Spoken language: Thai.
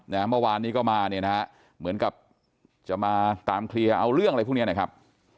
เมื่อวานนี้ก็มาเนี่ยนะฮะเหมือนกับจะมาตามเคลียร์เอาเรื่องอะไรพวกเนี้ยนะครับ